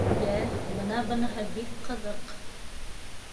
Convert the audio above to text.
— Йә, бына быныһы бик ҡыҙыҡ.